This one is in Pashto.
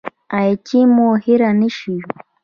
غیچي مو هیره نه شي